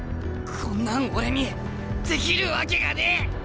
こんなん俺にできるわけがねえ！